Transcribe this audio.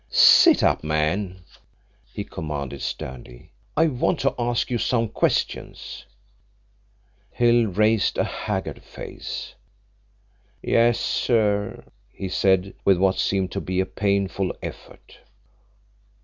"Sit up, man," he commanded sternly. "I want to ask you some questions." Hill raised a haggard face. "Yes, sir," he said, with what seemed to be a painful effort.